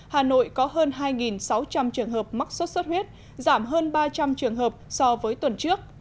hà nội có hơn hai sáu trăm linh trường hợp mắc sốt xuất huyết giảm hơn ba trăm linh trường hợp so với tuần trước